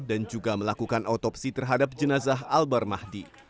dan juga melakukan autopsi terhadap jenazah albar mahdi